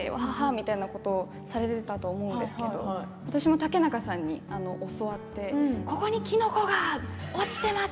みたいなのをされていたと思うんですけれども私も竹中さんに教わってここにきのこが落ちてます！